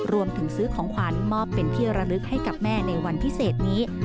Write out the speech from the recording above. รวมถึงซื้อของขวัญมอบเป็นที่ระลึกให้กับแม่ในวันพิเศษนี้